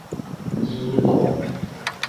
伊朗